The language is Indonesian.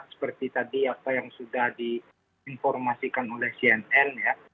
seperti tadi apa yang sudah diinformasikan oleh cnn ya